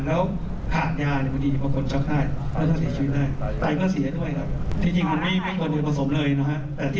แล้วก็ตัวสี่โม้กอีก๓๐เมตร